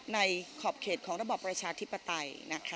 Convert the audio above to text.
ในขอบเขตของระบบประชาธิปไตยนะคะ